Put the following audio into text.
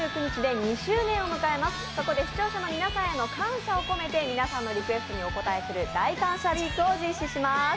そこで視聴者の皆さんへの感謝を込めて、皆さんのリクエストにお応えする大感謝ウィークを実施します。